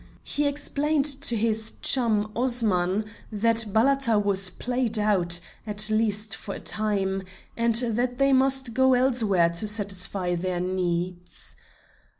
He explained to his chum Osman that Balata was "played out," at least for a time, and that they must go elsewhere to satisfy their needs.